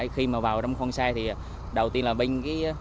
khi vào trong con xe đầu tiên là binh